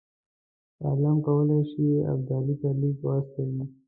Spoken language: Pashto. شاه عالم کولای شي ابدالي ته لیک واستوي.